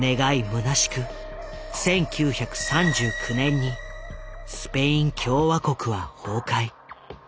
むなしく１９３９年にスペイン共和国は崩壊。